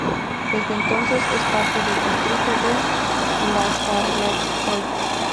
Desde entonces es parte del distrito de Lázarevskoye.